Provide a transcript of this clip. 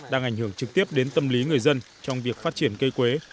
đang ảnh hưởng trực tiếp đến tâm lý người dân trong việc phát triển cây quế